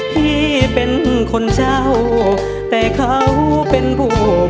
พี่เป็นคนเช่าแต่เขาเป็นผู้